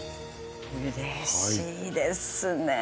うれしいですね。